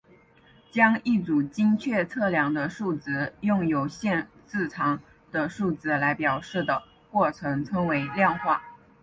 将一组精确测量的数值用有限字长的数值来表示的过程称为量化。